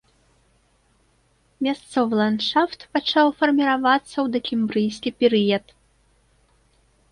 Мясцовы ландшафт пачаў фарміравацца ў дакембрыйскі перыяд.